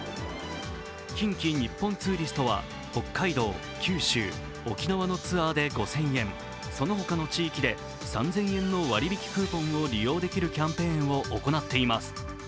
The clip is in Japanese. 近畿日本ツーリストは北海道、九州、沖縄のツアーで５０００円、その他の地域で３０００円の割引クーポンが利用できるキャンペーンを行っています。